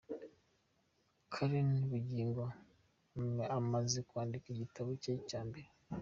Karen Bugingo umaze kwandika igitabo cye cya mbere.